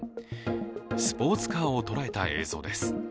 スポーツカーを捉えた映像です。